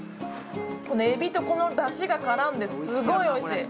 このエビとこのだしが絡んですごいおいしい！